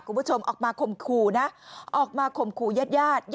คุณผู้ชมออกมาข่มขู่นะออกมาข่มขู่ญาติญาติ